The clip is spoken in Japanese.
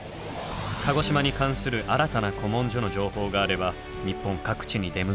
鹿児島に関する新たな古文書の情報があれば日本各地に出向き撮影。